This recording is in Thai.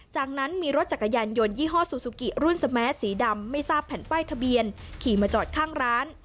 จากนั้นมีรถจักรยานยนต์ยี่ห้อซูซูกิรุ่นสแมสสีดำไม่ทราบแผ่นป้ายทะเบียนขี่มาจอดข้างร้าน